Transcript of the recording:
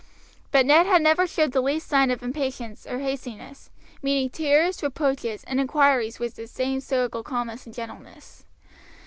But Ned had never showed the least sign of impatience or hastiness, meeting tears, reproaches, and inquiries with the same stoical calmness and gentleness.